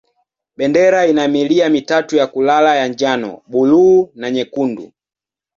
Bendera ina milia mitatu ya kulala ya njano, buluu na nyekundu.